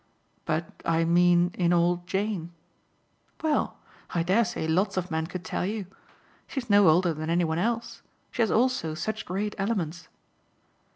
"But I mean in old Jane." "Well, I dare say lots of men could tell you. She's no older than any one else. She has also such great elements."